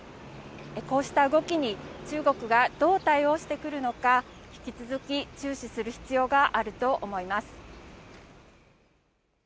こうした動きに中国がどう対応してくるのか、引き続き注視する必要があると思います。